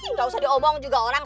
nggak usah diomong juga orang